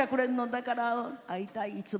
だから会いたいいつも。